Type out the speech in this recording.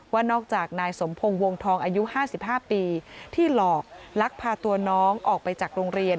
ว่านอกจากนายสมพงศ์วงทองอายุ๕๕ปีที่หลอกลักพาตัวน้องออกไปจากโรงเรียน